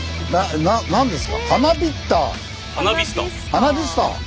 ハナビスター？